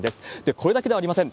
これだけではありません。